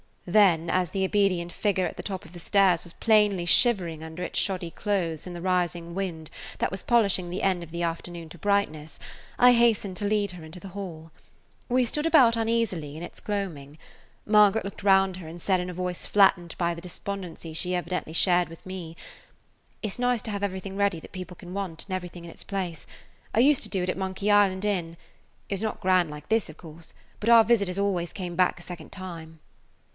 Then, as the obedient figure at the top of the stairs was plainly shivering under its shoddy clothes in the rising wind that was polishing the end of the afternoon to brightness, I hastened to lead her into the hall. We stood about uneasily in its gloaming. Margaret looked round her and said in a voice flattened by the despondency she evidently shared with me: [Page 149] "It is nice to have everything ready that people can want and everything in its place. I used to do it at Monkey Island Inn. It was not grand like this, of course, but our visitors always came back a second time."